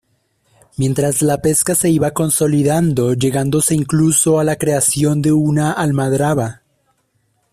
Mientras la pesca se iba consolidando, llegándose incluso a la creación de una almadraba.